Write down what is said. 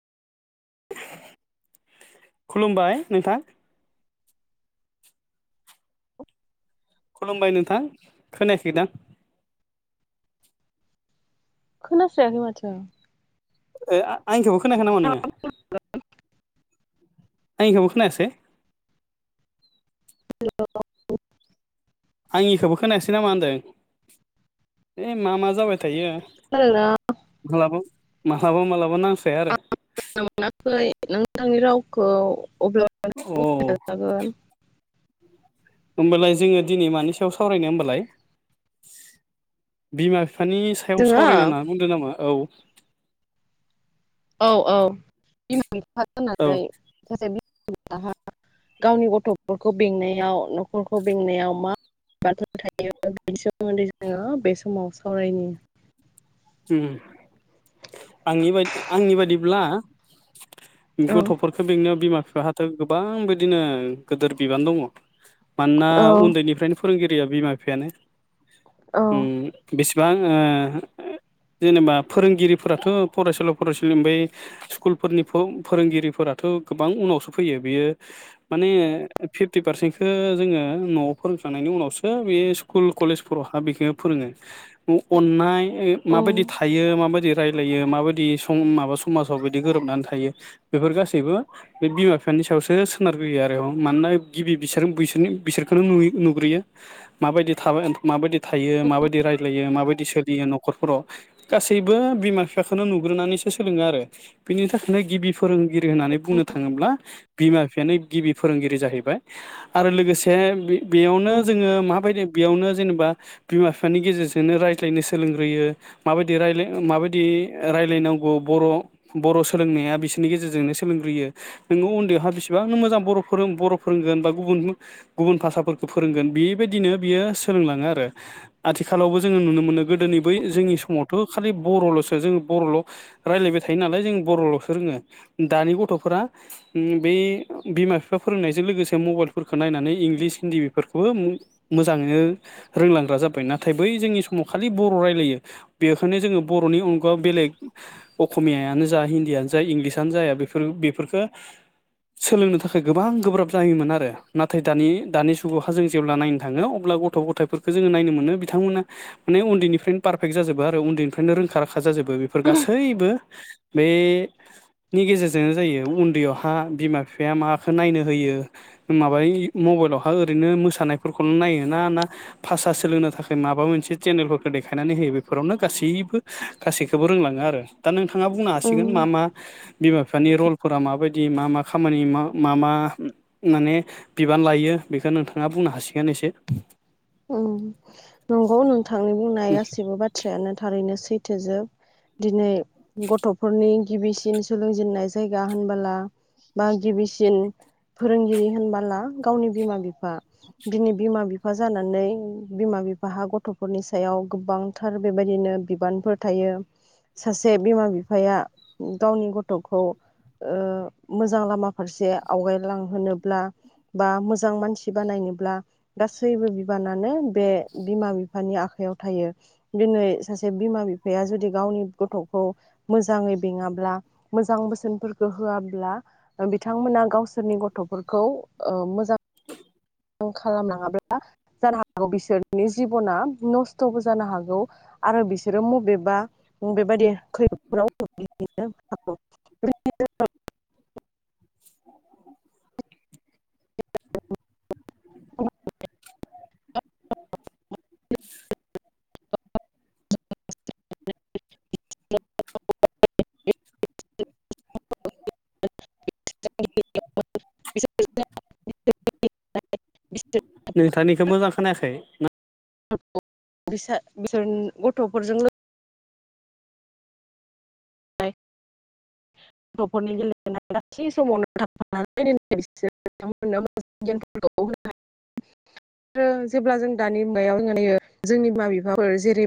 खुलुमबाय नोंथां। खुलुमबाय नोंथां खोनायाखैदां। खोनास्रायाखै माथो। ओ आंनिखोबो खोनाखै नामा नोङो? आंंनिखोबो खोनायासै? [unintelligible] आंनिखौबो खोनायासै नामा होनदों? ओ मा मा जाबाय थायो खोनादोंना मालाबो माहाबा मालाबा नां [unintelligible] नोंथांनि रावखौ अ अब्लाबो [unintelligible] होमबालाय जोङो दिनै मानि सायाव सावरायनो होमबालाय बिमा फि फानि सायाव जोङो सावरायनो होन्ना बुंदों नामा औ। औ औ बिमा। बिफा औ होननानै [unintelligible] लाहा गावनि गथ'फोरखौ बेंनायाव न'खरखौ बेंनायाव मा बाथ्रा थायो बेनि सोमोन्दै जोङो बे समाव सावरायनि। उम आंनि बादि आंनि बादिब्ला औ गथ'फोरखौ बेंनायाव बिमा फि जाहाथ' गोबां बिदिनो गोदोर बिबान दङ। मानोना औ उन्दैनिफ्रायनो फोरोंगिरिया बिमा बिफायानो। उम बिस गोबां ओ ओ जेनेबा फोरोंगिरिफोराथ' फरायसुला फरायसुलि ओमफाय स्कुलफोरनिखौ फोरोंगिरिफोराथ' गोबां उनावसो फैयो बियो माने फिफ्टि पारसेन्टखो जोङो न'आव फोरोंखांनायनि उनावसो बे स्कुल कलेजफोरावहा बेखौ फोरोङो अननाय औ माबायदि थायो माबायदि रायलायो माबायदि सम माबा समाजाव बिदि गोरोबनानै थायो बेफोर गासैबो बे बिमा बिफानि सायावसो सोनारग्रोयो आरो मानोना गिबि बिसोर बिसोरनि बिसोरखोनो नुयो नुग्रोयो माबायदि थाबाय माबायदि थायो माबायदि रायलायो माबायदि सोलियो नखर न'खरफोराव गासैबो बिमा बिफाखोनो नुग्रोनानैसो सोलोङो आरो बिनि थाखायनो गिबि फोरों गिरि होननानै बुंनो थाङोब्ला बिमा बिफानि गिबि फोरोंगिरि जाहैबाय आरो लोगोसे बे बेयावनो उम जोङो माबाय बेयावनो जेनेबा बिमा बिफानि गेजेरजोंनो रायज्लायनो सोलों होयो माबायदि राइलाय माबायदि ओ राइलायनांगौ बर' बर' सोलोंनाया बिसोरनि गेजेरजोंनो सोलोंग्रोयो नोङो उन्दैयावहा बिसिबांनो मोजां बर'फोरों बर' फोरोंगोन बा गुबुन गुबुन भाषा फोरखौ फोरोंगोन बेबायदिनो बियो सोलोंलाङो आरो आथिखालावबो जोङो नुनो मोनो गोदोनि बै जोंनि समावथ' खालि बर'लसो जों बर'ल' रायलायबाय थायो नालाय जों बर'लसो रोङो दानि गथ'फोरा उम बै बिमा बिफा फोरोंनायजों लोगोसे मबाइलफोरखो नायनानै इंलिस हिन्दी बेफोरखौबो मो मोजाङैनो रोंलांग्रा जाबाय नाथाय बै जोंनि समाव खालि बर' राइ लायो बेखायनो जोङो बर'नि अनगा बेलेग अख'मियानो जा हिन्दीयानो जा इंलिसयानो जाया बेफोर बेफोरखो सोलोंनो थाखाय गोबां गोब्राब जायोमोन आरो नाथाय दानि दानि जुगावहा जों जेब्ला नायनो थाङो अब्ला गथ' गथायफोरखो जोङो नायनो मोनो बिथांमोना माने उन्दैनिफ्राय पारफेक्ट जाजोबो आरो उन्दैनिफ्रायनो रोंखा राखा जाजोबो बेफोर गासैबो बे नि गेजेरजोंनो जायो उन्दैयावहा बिमा बिफाया माखो नायनो होयो माबा मबाइलावहा ओरैनो मोसानायफोरखौल' नायो ना ना भाषा सोलोंनो थाखाय माबा मोनसे चेनेलफोरखौ दे देखायनानै होयो बेफोरावनो गासैबो गासैखोबो रोंलाङो आरो दा नोंथां थाङा बुंनो हासिगोन उम मा मा बिमा बिफानि रलफोरा माबाय बिदि मा मा खामानि मा मा मा माने बिबान लायो बेखो नोंथाङा बुंनो हासिगोन एसे। गासिबो बाथ्रायानो थारैनो सैथोजोब दिनै गथ'फोरनि गिबिसिन सोलोंजेननाय जायगा होनबाला बा गिबिसिन फोरोंगिरि होनबाला गावनि बिमा बिफा। दिनै बिमा बिफा जानानै बिमा बिफाहा गथ'फोरनि सायाव गोबांथार बेबायदिनो बिबानफोर थायो सासे बिमा बिफाया गावनि गथ'खौ ओ मोजां लामा फारसे आवगायलांहोनोब्ला बा मोजां मानसि बानायनोब्ला गा गासैबो बिबानानो बे बिमा बिफानि आखाइयाव थायो दिनै सासे बिमा बिफाया जुदि गावनि गथ'खौ मोजाङै बेङाब्ला मोजां बोसोनफोरखो होआब्ला बिथांमोना गावसोरनि गथ'फोरखौ ओ मोजां खालामलाङाब्ला जानो हागौ बिसोरनि जिब'ना नस्थ'बो जानो हागौ आरो बिसोरो मबेबा बेबादि खैफोदाव गोग्लैनो हागौ [inaudible] [inaudible] [inaudible] [inaudible] [inaudible] नोंथांनिखो मोजां खोनायाखै ना [inaudible] गथ'फोरजों [inaudible] आरो जेब्ला जों दानि मुगायाव नुयो जोंनि बिमा बिफाफोर जेरै